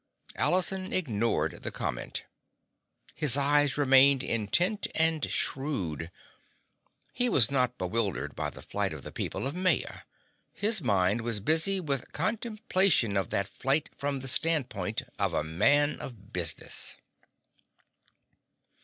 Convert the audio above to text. Allison ignored the comment. His eyes remained intent and shrewd. He was not bewildered by the flight of the people of Maya. His mind was busy with contemplation of that flight from the standpoint of a man of business.